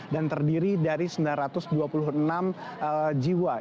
dan terdiri dari sembilan ratus dua puluh enam jiwa